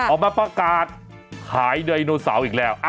ออกมาประกาศขายไดโนเสาร์อีกแล้ว